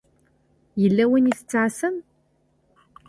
Yella win i tettɛasam?